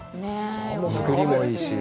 造りもいいし。